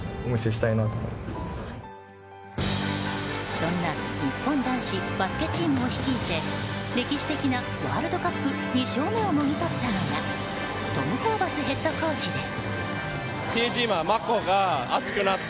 そんな日本男子バスケチームを率いて歴史的なワールドカップ２勝目をもぎ取ったのがトム・ホーバスヘッドコーチです。